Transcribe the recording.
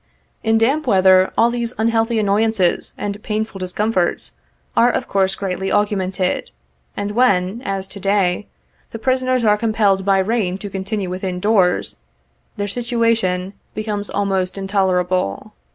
In damp weather, all these unhealthy annoyances and painful discomforts are of course greatly augmented, and when, as to day, the prisoners are compelled by rain to continue within doors, their situation becomes almost intolerable.